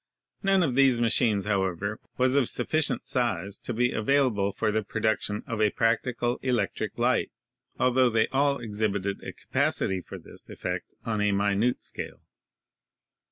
None of these machines, however, was of suffi cient size to be available for the production of a practical electric light, altho they all exhibited a capacity for this effect on a minute scale.